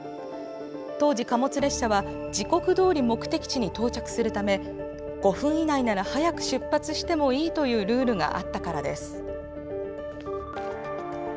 当時、貨物列車は時刻どおり目的地に到着するため５分以内なら早く出発してもいいというルールがあったからです。